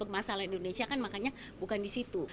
masalah indonesia kan makanya bukan di situ